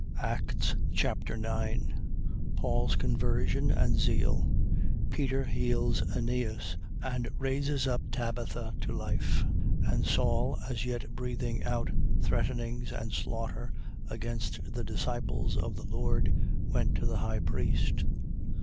Acts Chapter 9 Paul's conversion and zeal. Peter heals Eneas and raises up Tabitha to life. 9:1. And Saul, as yet breathing out threatenings and slaughter against the disciples of the Lord, went to the high priest 9:2.